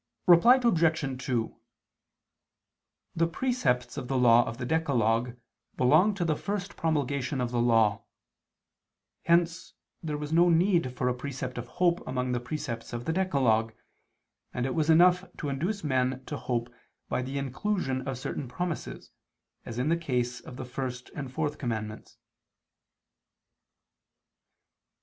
Reply Obj. 2: The precepts of the law of the decalogue belong to the first promulgation of the Law: hence there was no need for a precept of hope among the precepts of the decalogue, and it was enough to induce men to hope by the inclusion of certain promises, as in the case of the first and fourth commandments.